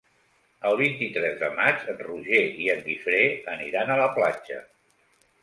El vint-i-tres de maig en Roger i en Guifré aniran a la platja.